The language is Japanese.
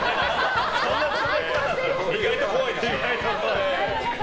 意外と怖いですよ。